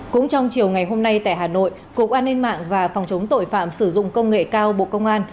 cũng trong chiều ngày hôm nay tại hà nội cục an ninh mạng và phòng chống tội phạm sử dụng công nghệ cao bộ công an